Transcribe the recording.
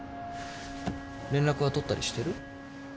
連絡は取ったりしてる？